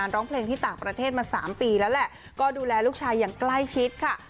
ร้องเพลงที่ต่างประเทศมา๓ปีแล้วแหละก็ดูแลลูกชายอย่างใกล้ชิดค่ะ